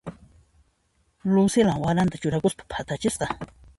Lucila waranta churakuspa phatachisqa.